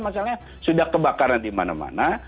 masalahnya sudah kebakaran dimana mana